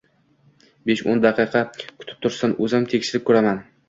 Besh o`n daqiqa kutib tursin, o`zim tekshirib ko`raman